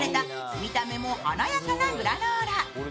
見た目も華やかなグラノーラ。